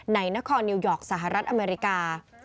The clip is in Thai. ในนครนิวยอร์กสหรัฐอเมริกา